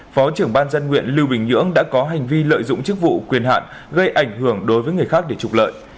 phó trưởng ban dân nguyện lưu bình nhưỡng đã có hành vi lợi dụng chức vụ quyền hạn gây ảnh hưởng đối với người khác để trục lợi